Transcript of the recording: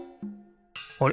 あれ？